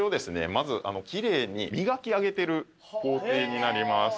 まず奇麗に磨き上げてる工程になります。